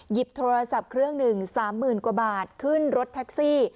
หยิบโทรศัพท์เครื่องหนึ่งสามหมื่นกว่าบาทขึ้นรถแท็กซี่